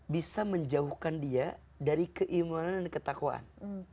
bisa menjauhkan dia dari keimanan dan ketakwaan